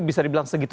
bisa dibilang segitu